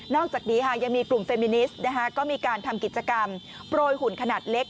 อกจากนี้ยังมีกลุ่มเฟมินิสก็มีการทำกิจกรรมโปรยหุ่นขนาดเล็ก